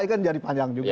itu kan jari panjang juga